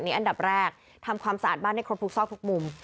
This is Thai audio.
อันดับแรกทำความสะอาดบ้านได้ครบทุกซอกทุกมุม